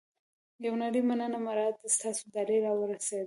یوه نړۍ مننه مراد. ستاسو ډالۍ را ورسېده.